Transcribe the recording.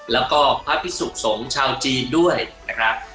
แล้วก็พระพิสุขสงฆ์ชาวจีนด้วยนะครับ